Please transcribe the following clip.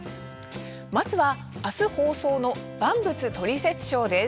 まずは、あす放送の「万物トリセツショー」です。